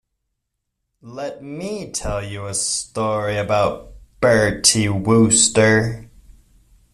Let me tell you a story about Bertie Wooster.